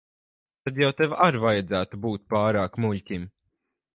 Tad jau tev ar vajadzētu būt pārāk muļķim.